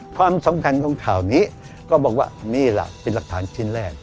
ความสำคัญของข่าวนี้ก็บอกว่านี่ล่ะเป็นหลักฐานชิ้นแรก